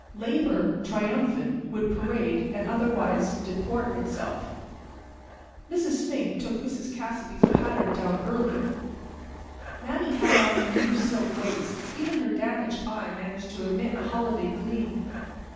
Labor, triumphant, would parade and otherwise disport itself. Mrs. Fink took Mrs. Cassidy's pattern down early. Mame had on her new silk waist. Even her damaged eye managed to emit a holiday gleam.